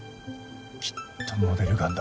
きっとモデルガンだ。